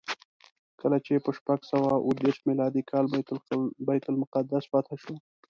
کله چې په شپږ سوه اوه دېرش میلادي کال بیت المقدس فتحه شو.